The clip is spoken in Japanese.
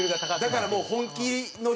だから本気の人？